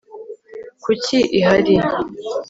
kuki ihari